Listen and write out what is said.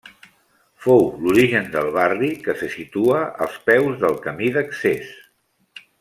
Fou l'origen del barri que se situa als peus del camí d'accés.